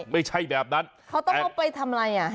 ไม่ใช่แบบนั้นเขาต้องเอาไปทำอะไรอ่ะ